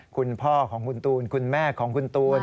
คุณพ่อของคุณตูนคุณแม่ของคุณตูน